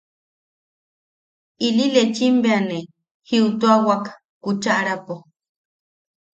Ili lechim bea ne jiʼituawak kuchaʼarapo.